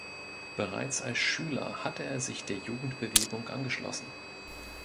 Bereits als Schüler hatte er sich der Jugendbewegung angeschlossen.